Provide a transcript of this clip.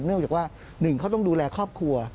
เนื่องจากว่าหนึ่งเขาต้องดูแลครอบครัว